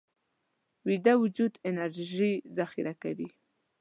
ویده وجود انرژي ذخیره کوي